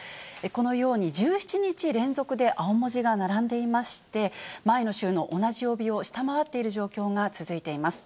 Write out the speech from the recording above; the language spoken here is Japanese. このように１７日連続で青文字が並んでいまして、前の週の同じ曜日を下回っている状況が続いています。